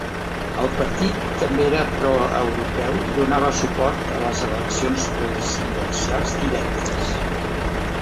El partit també era proeuropeu i donava suport a les eleccions presidencials directes.